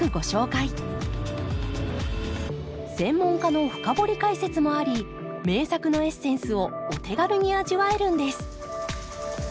専門家の深掘り解説もあり名作のエッセンスをお手軽に味わえるんです